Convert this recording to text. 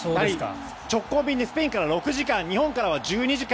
直行便でスペインから６時間日本からは１２時間。